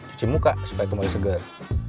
cuci muka supaya kemudian segar